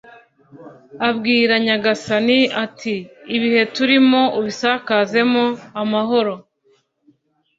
abwira nyagasani ati “ibihe turimo ubisakazemo amahoro